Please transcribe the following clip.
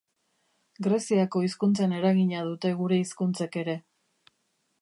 Greziako hizkuntzaren eragina dute gure hizkuntzek ere.